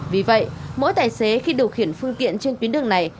vì vậy mỗi tài xế khi điều khiển phương tiện trên tuyến đường này